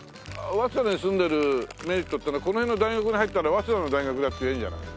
早稲田に住んでるメリットっていうのはこの辺の大学に入ったら早稲田の大学だって言えるんじゃない？